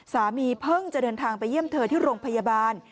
เพิ่งจะเดินทางไปเยี่ยมเธอที่โรงพยาบาล